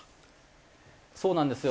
そうなんですよ。